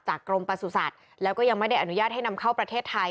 กรมประสุทธิ์แล้วก็ยังไม่ได้อนุญาตให้นำเข้าประเทศไทย